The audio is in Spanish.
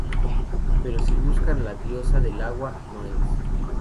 Pero si buscan la diosa del agua, no es.